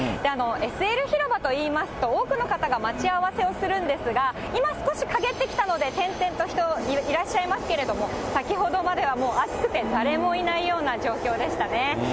ＳＬ広場といいますと、多くの方が待ち合わせをするんですが、今少し陰ってきたので点々と人、いらっしゃいますけれども、先ほどまではもう暑くて、誰もいないような状況でしたね。